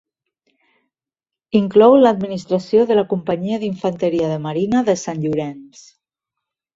Inclou l'administració de la Companyia d'Infanteria de Marina de Sant Llorenç.